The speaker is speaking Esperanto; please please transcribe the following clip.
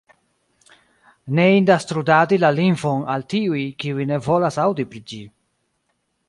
Ne indas trudadi la lingvon al tiuj, kiuj ne volas aŭdi pri ĝi.